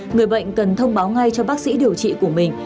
người bệnh cần thông báo ngay cho bác sĩ điều trị của mình